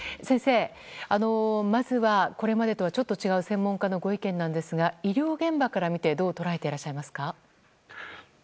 先生、まずはこれまでとはちょっと違う専門家のご意見なんですが医療現場から見てどう捉えていらっしゃいますか？